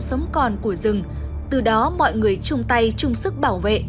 sống còn của rừng từ đó mọi người chung tay chung sức bảo vệ